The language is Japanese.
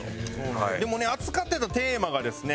でもね扱ってたテーマがですね